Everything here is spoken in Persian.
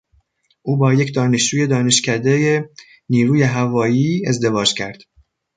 او با یک دانشجوی دانشکدهی نیروی هوایی ازدواج کرد.